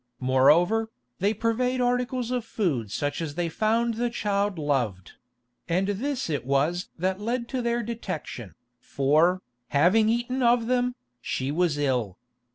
Moreover, they purveyed articles of food such as they found the child loved; and this it was that led to their detection, for, having eaten of them, she was ill.